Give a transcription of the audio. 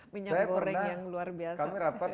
minyak goreng yang luar biasa